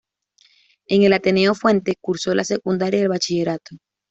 En el Ateneo Fuente cursó la secundaria y el bachillerato.